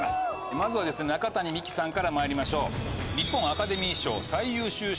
まずは中谷美紀さんからまいりましょう。